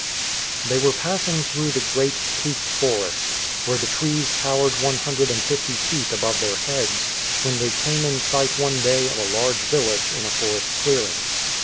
They were passing through the great teak forest, where the trees towered one hundred and fifty feet above their heads, when they came in sight one day of a large village in a forest clearing.